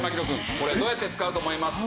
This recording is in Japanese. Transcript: これどうやって使うと思いますか？